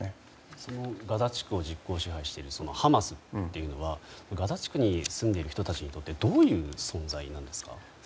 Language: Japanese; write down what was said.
そのガザ地区を実効支配しているハマスというのはガザ地区に住んでいる人たちにとってどういう存在なんですか？